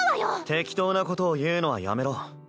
適当なことを言うのはやめろ。